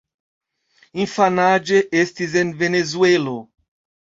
Infanaĝe, estis en Venezuelo.